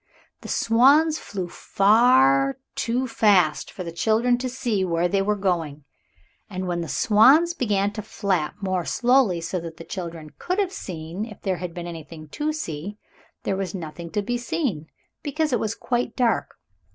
The swans flew far too fast for the children to see where they were going, and when the swans began to flap more slowly so that the children could have seen if there had been anything to see, there was nothing to be seen, because it was quite dark.